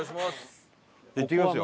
行ってきますよ。